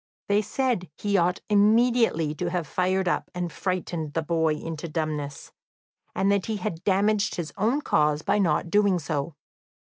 They said he ought immediately to have fired up, and frightened the boy into dumbness, and that he had damaged his own cause by not doing so.